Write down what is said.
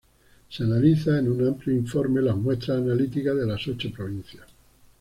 se analiza en un amplio informe las muestras analíticas de las ocho provincias